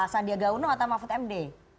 sandiaga uno atau mahfud md